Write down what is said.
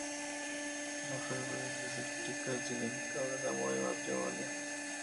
El orfebre les explica el significado del amor y el matrimonio.